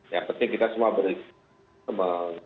yang penting kita semua ber